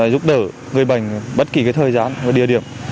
giúp đỡ người bệnh bất kỳ thời gian và địa điểm